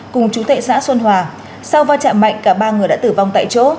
cùng chú tệ xã xuân hòa sau va chạm mạnh cả ba người đã tử vong tại chỗ